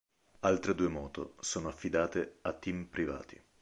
Altre due moto sono affidate a team privati.